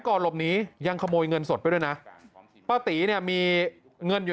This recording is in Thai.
หลบหนียังขโมยเงินสดไปด้วยนะป้าตีเนี่ยมีเงินอยู่